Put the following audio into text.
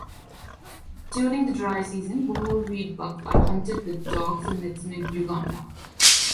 During the dry season, bohor reedbuck are hunted with dogs and nets in Uganda.